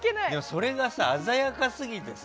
それが鮮やかすぎてさ